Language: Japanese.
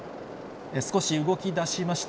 少し動きだしました。